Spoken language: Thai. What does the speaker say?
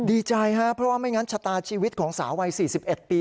ดีใจครับเพราะว่าไม่งั้นชะตาชีวิตของสาววัย๔๑ปี